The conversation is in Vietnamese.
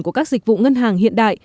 của các dịch vụ ngân hàng hiện đại